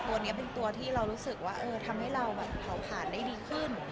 ตัวนี้เป็นตัวที่เรารู้สึกว่าทำให้เราแบบเผาผ่านได้ดีขึ้น